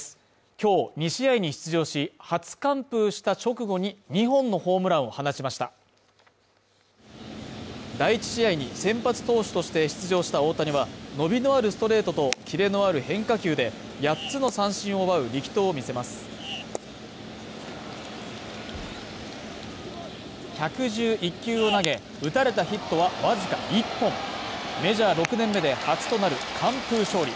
きょう２試合に出場し初完封した直後に２本のホームランを放ちました第１試合に先発投手として出場した大谷は伸びのあるストレートとキレのある変化球で８つの三振を奪う力投を見せます１１１球を投げ打たれたヒットは僅か１本メジャー６年目で初となる完封勝利